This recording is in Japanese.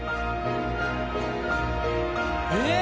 えっ！？